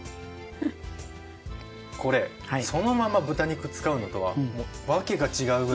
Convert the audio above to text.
これそのまま豚肉使うのとはもう訳が違うぐらい。